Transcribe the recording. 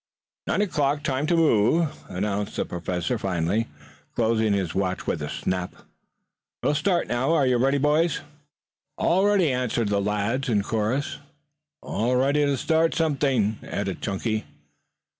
"Nine o'clock. Time to move," announced the Professor finally, closing his watch with a snap. "We will start now. Are you ready, boys?" "All ready," answered the lads in chorus. "All ready to start something!" added Chunky.